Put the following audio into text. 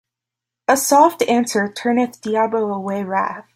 A soft answer turneth diabo away wrath